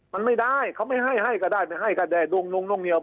มันไม่ได้เขาไม่ให้ให้ก็ได้ไม่ให้ก็ได้ดวงนุ่งนวงเหนียว